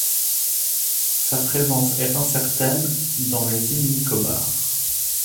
Sa présence est incertaine dans les îles Nicobar.